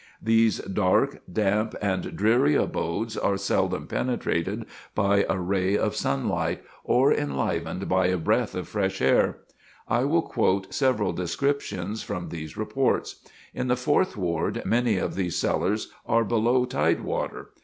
These dark, damp and dreary abodes are seldom penetrated by a ray of sunlight, or enlivened by a breath of fresh air. I will quote several descriptions from these reports. In the Fourth Ward many of these cellars are below tide water.